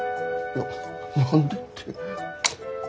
いや何でって。